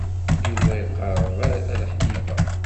Yuba iqerreb ar Ḥnifa.